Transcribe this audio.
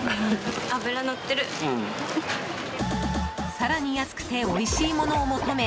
更に安くておいしいものを求め